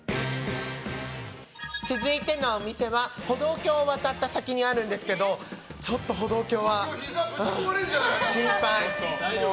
続いてのお店は歩道橋を渡った先にあるんですけどちょっと、歩道橋は心配。